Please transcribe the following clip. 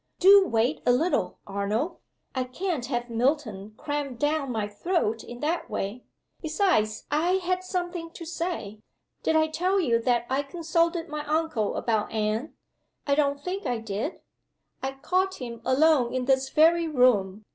"Do wait a little, Arnold. I can't have Milton crammed down my throat in that way. Besides I had something to say. Did I tell you that I consulted my uncle about Anne? I don't think I did. I caught him alone in this very room.